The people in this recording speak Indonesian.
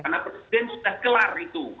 karena presiden sudah selesai itu